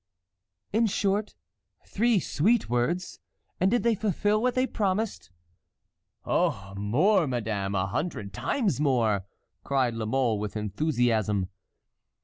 "In short, three sweet words; and did they fulfil what they promised?" "Oh! more, madame, a hundred times more!" cried La Mole with enthusiasm.